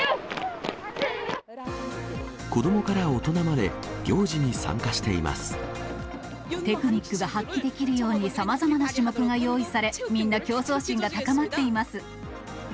子どもから大人まで、テクニックが発揮できるようにさまざまな種目が用意され、みんな競争心が高まっています。